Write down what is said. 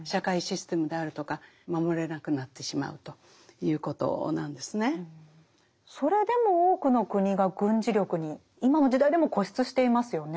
そうするとそれでも多くの国が軍事力に今の時代でも固執していますよね。